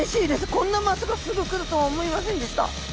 こんなまさかすぐ来るとは思いませんでした。